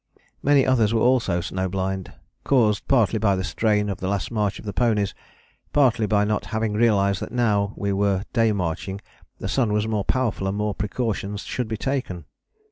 Many others were also snowblind, caused partly by the strain of the last march of the ponies, partly by not having realized that now that we were day marching the sun was more powerful and more precautions should be taken.